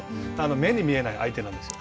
目に見えない相手なんですよ。